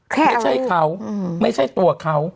ไม่ใช่เขาไม่ใช่ตัวเขา